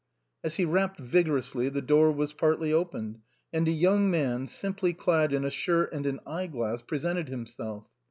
As he rapped vigorously, the door was partly opened, and a young man, simply clad in a shirt and an eye glass, pre sented himself.